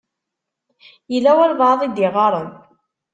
Yella walebɛaḍ i d-iɣaṛen.